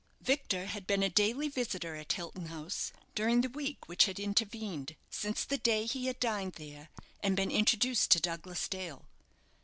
Victor had been a daily visitor at Hilton House during the week which had intervened since the day he had dined there and been introduced to Douglas Dale.